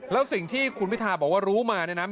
แล้วสิ่งที่คุณพิทาบอกว่ารู้มาเนี่ยนะ